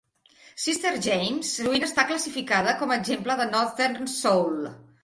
"Sister James" sovint està classificada com a exemple de Northern Soul.